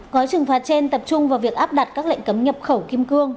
gói trừng phạt trên tập trung vào việc áp đặt các lệnh cấm nhập khẩu kim cương